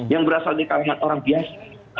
yang berasal di kalangan orang biasa